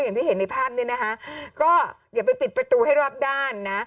อย่างที่เห็นในภาพเนี่ยนะคะก็อย่าไปปิดประตูให้รอบด้านนะ